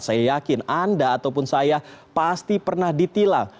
saya yakin anda ataupun saya pasti pernah ditilang